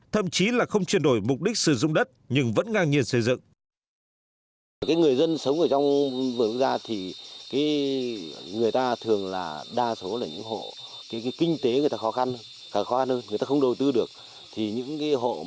thậm chí là không chuyển đổi mục đích sử dụng đất nhưng vẫn ngang nhiên xây dựng